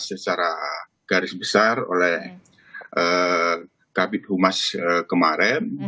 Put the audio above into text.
secara garis besar oleh kabit humas kemarin